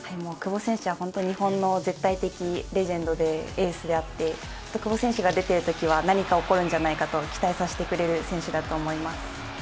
久保選手は日本の絶対的レジェンドでエースで久保選手が出ているときは何か起こるんじゃないかと期待させてくれる選手だと思います。